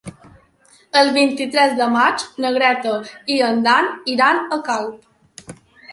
El vint-i-tres de maig na Greta i en Dan iran a Calp.